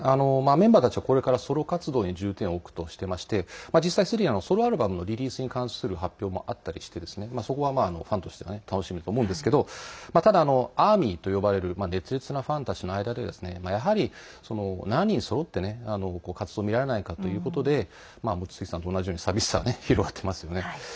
メンバーたちはこれからソロ活動に重点を置くとしていまして実際、すでにソロアルバムのリリースに関する発表もあったりしてそこはファンとしては楽しみだと思うんですけどただ、ＡＲＭＹと呼ばれる熱烈なファンたちの間でやはり、７人そろっての活動を見られないということで望月さんと同じように寂しさ、広がっていますよね。